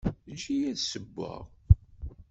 Eǧǧ-iyi ad d-ssewweɣ.